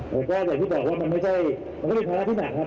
แต่ก็อย่างที่บอกว่ามันไม่ใช่มันก็เป็นธรรมที่หนักครับ